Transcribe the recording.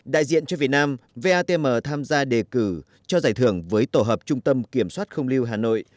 đại diện cho việt nam vatm tham gia đề cử cho giải thưởng với tổ hợp trung tâm kiểm soát không lưu hà nội